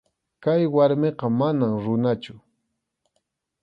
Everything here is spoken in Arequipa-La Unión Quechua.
Kay warmiqa manam runachu.